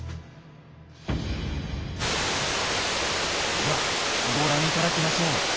ではご覧頂きましょう。